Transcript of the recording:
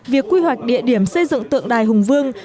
việc quy hoạch địa điểm xây dựng tượng đài hùng vương